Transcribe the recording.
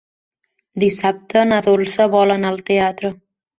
Dissabte na Dolça vol anar al teatre.